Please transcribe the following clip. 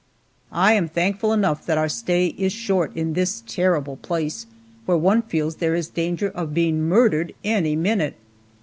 I am thankful enough that our stay is short at this terrible place, where one feels there is danger of being murdered any minute.